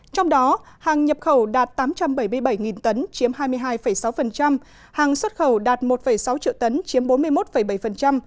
trong đó hàng nhập khẩu đạt tám trăm bảy mươi bảy tấn chiếm hai mươi hai sáu hàng xuất khẩu đạt một sáu triệu tấn chiếm bốn mươi một bảy